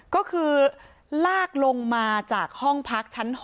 ก็คือลากลงมาจากห้องพักชั้น๖